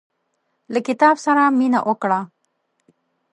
له کتاب سره مينه وکړه.